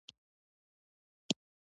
ما د ملګري په کور کې شپه تیره کړه .